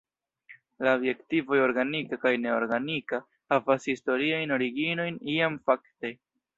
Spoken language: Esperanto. La adjektivoj "organika" kaj "neorganika" havas historiajn originojn; iam, fakte.